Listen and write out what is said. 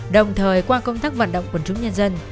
đồng thời qua công tác vận động quần chúng nhân dân